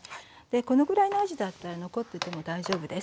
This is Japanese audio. このぐらいのあじだったら残ってても大丈夫です。